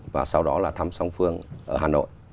và sau đó là thăm song phương ở hà nội